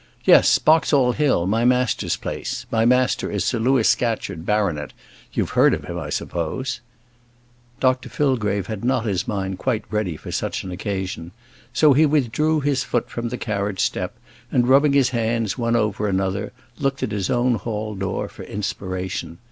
"Yes; Boxall Hill: my master's place my master is Sir Louis Scatcherd, baronet. You've heard of him, I suppose?" Dr Fillgrave had not his mind quite ready for such an occasion. So he withdrew his foot from the carriage step, and rubbing his hands one over another, looked at his own hall door for inspiration.